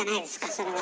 それは。